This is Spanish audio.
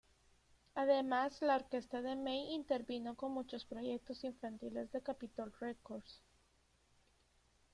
Además, la orquesta de May intervino en muchos proyectos infantiles de Capitol Records.